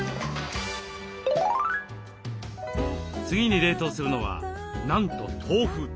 次に冷凍するのはなんと豆腐。